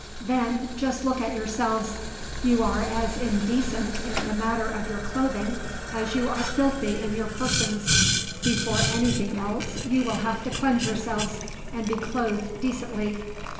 Then, just look at yourselves. You are as indecent in the matter of your clothing as you are filthy in your persons. Before anything else you will have to cleanse yourselves, and be clothed decently.